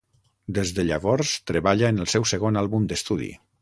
Des de llavors, treballa en el seu segon àlbum d'estudi.